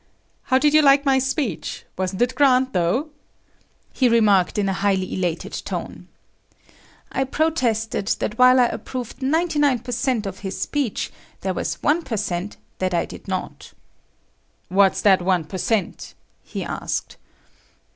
"How did you like my speech? Wasn't it grand, though!" he remarked in a highly elated tone. I protested that while I approved 99 per cent. of his speech, there was one per cent. that I did not. "What's that one per cent?" he asked.